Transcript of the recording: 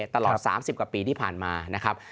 ตลอด๓๐กว่าปีที่ผ่านมานะครับ